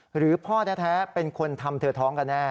หรือพ่อแท้เป็นคนทำเธอท้องกันแน่